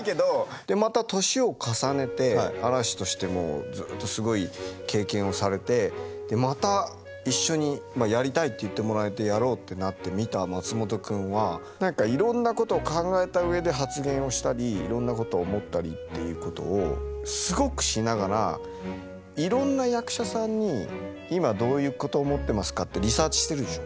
でまた年を重ねて嵐としてもずっとすごい経験をされてまた一緒にやりたいと言ってもらえてやろうってなって見た松本君は何かいろんなことを考えた上で発言をしたりいろんなことを思ったりっていうことをすごくしながらいろんな役者さんに今どういうこと思ってますかってリサーチしてるでしょう？